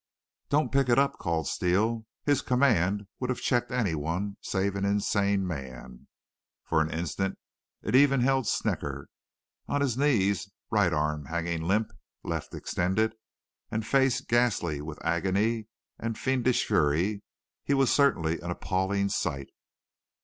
"Don't pick it up," called Steele; his command would have checked anyone save an insane man. For an instant it even held Snecker. On his knees, right arm hanging limp, left extended, and face ghastly with agony and fiendish fury, he was certainly an appalling sight.